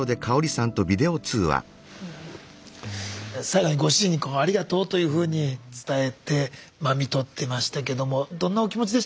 最後にご主人にこう「ありがとう」というふうに伝えてまあ看取ってましたけどもどんなお気持ちでしたか？